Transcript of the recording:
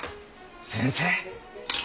先生。